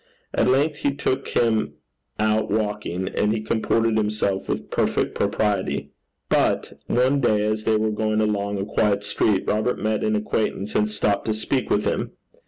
At length he took him out walking, and he comported himself with perfect propriety. But one day as they were going along a quiet street, Robert met an acquaintance, and stopped to speak with him.